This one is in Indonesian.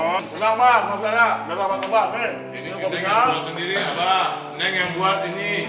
neng yang buat ini